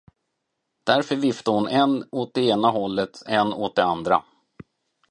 Därför viftade hon än åt det ena hållet än åt det andra.